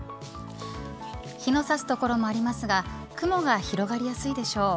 日のさす所もありますが雲が広がりやすいでしょう。